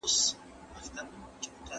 کمپيوټر خبر خپروي.